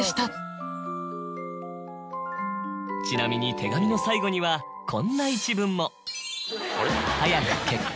ちなみに手紙の最後にはこんな１文も。